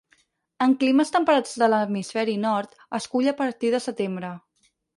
En climes temperats de l'hemisferi nord, es cull a partir de setembre.